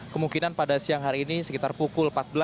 kemungkinan pada siang hari ini sekitar pukul empat belas